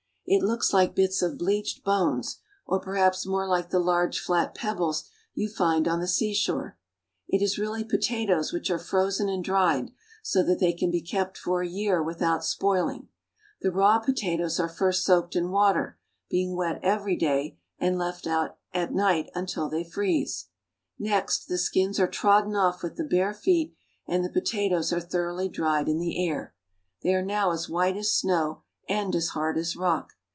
It looks like bits of bleached bones, or perhaps more like the large flat pebbles you find on the seashore. It is really potatoes which are frozen and dried, so that they can be kept for a year without spoiling. The raw pota toes are first soaked in water, being wet every day, and left out at night until they freeze. Next the skins are trodden oflf with the bare feet, and the potatoes are thor oughly dried in the air. They are now as white as snow and as hard as rock.